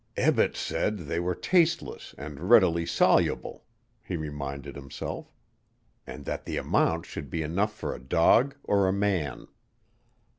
"Ebbett said they were tasteless and readily soluble," he reminded himself. "And that the amount should be enough for a dog or a man."